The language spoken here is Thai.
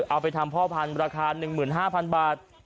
เอาไปทำพ่อพันธุ์ราคา๑๕๐๐๐บาท